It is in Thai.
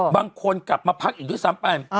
บางคนกลับมาพักอีกด้วยซ้ำไป